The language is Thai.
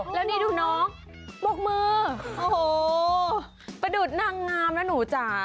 แล้วนี่ดูน้องปกมือโอ้โหประดูดนางงามนะหนูจ๋า